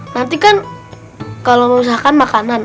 nanti kan kalau merusakan makanan